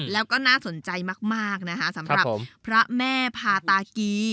แล้วก็น่าสนใจมากนะคะสำหรับพระแม่พาตากี